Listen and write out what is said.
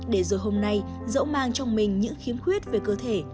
để rồi hôm nay dẫu mang trong mình những khiếm khuyết về cơ thể